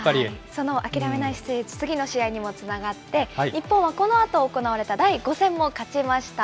その諦めない姿勢、次の試合にもつながって、日本はこのあと行われた第５戦も勝ちました。